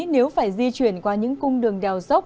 nếu phải di chuyển qua những cung đường đèo dốc